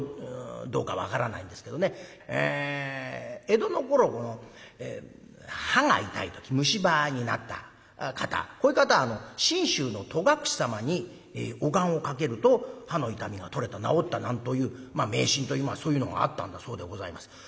江戸の頃歯が痛い時虫歯になった方こういう方は信州の戸隠様にお願をかけると歯の痛みが取れた治ったなんというまあ迷信というそういうのがあったんだそうでございます。